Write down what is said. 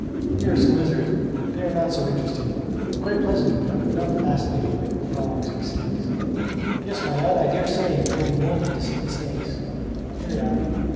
Here are some lizards, but they are not so interesting; quite pleasant, you know, but not fascinating, like frogs and snakes. Yes, my lad, I dare say you will be wanting to see the snakes. Here they are.